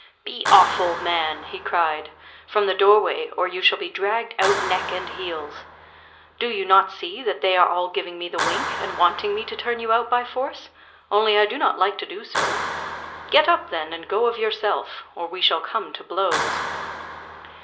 "Be off, old man," he cried, "from the doorway, or you shall be dragged out neck and heels. Do you not see that they are all giving me the wink, and wanting me to turn you out by force, only I do not like to do so? Get up then, and go of yourself, or we shall come to blows."